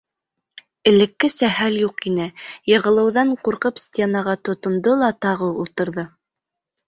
Элеккесә хәл юҡ ине, йығылыуҙан ҡурҡып стенаға тотондо ла тағы ултырҙы.